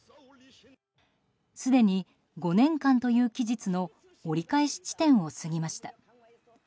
すでに５年間という期日の折り返し地点を過ぎました。